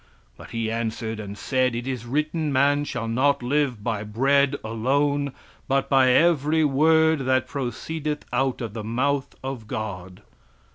"But He answered and said it is written, man shall not live by bread alone, but by every word that proceedeth out of the mouth of God.